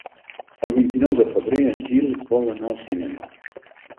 El vint-i-nou de febrer en Gil vol anar al cinema.